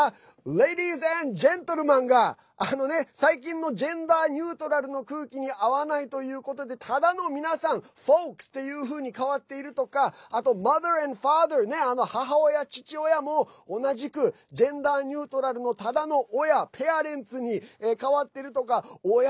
レディース＆ジェントルマンが最近のジェンダーニュートラルの空気に合わないということでただの皆さんフォークスというふうに変わっているとかあと、マザー＆ファザー母親、父親も同じくジェンダーニュートラルのただの親、ペアレンツに変わってるとかおや？